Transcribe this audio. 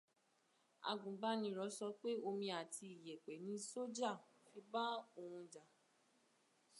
Àgùnbánirọ̀ sọ pé omi àti iyẹ̀pẹ̀ ni sọ́jà fi bá òun jà